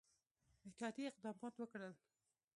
احتیاطي اقدمات وکړل.